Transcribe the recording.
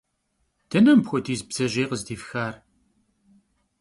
Dene mıpxuediz bdzejêy khızdifxar?